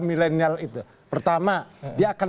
milenial itu pertama dia akan